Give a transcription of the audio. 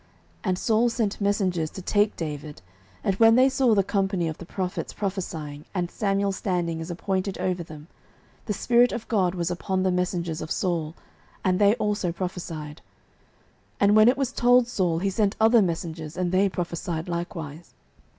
09:019:020 And Saul sent messengers to take David: and when they saw the company of the prophets prophesying, and Samuel standing as appointed over them, the Spirit of God was upon the messengers of Saul, and they also prophesied. 09:019:021 And when it was told Saul, he sent other messengers, and they prophesied likewise.